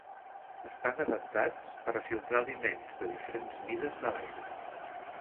Estan adaptats per a filtrar aliments de diferents mides de l'aigua.